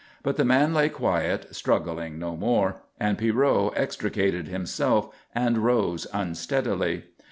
But the man lay quiet, struggling no more, and Pierrot extricated himself and rose unsteadily.